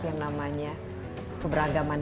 yang namanya keberagaman